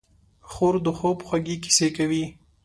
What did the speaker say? خور د خوب خوږې کیسې کوي.